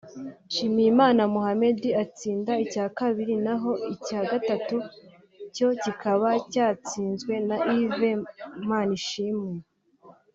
Nshimiyimana Mohammed atsinda icya kabiri naho icya gatatu cyo kikaba cyatsinzwe na Yves Manishimwe